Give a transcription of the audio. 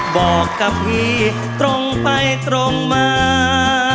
บอกกับพี่ตรงไปตรงมา